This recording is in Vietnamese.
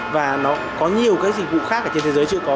và nó có nhiều cái dịch vụ khác ở trên thế giới chưa có